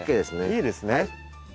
いいですね。